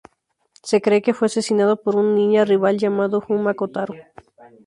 Se cree que fue asesinado por un ninja rival llamado Fuma Kotaro.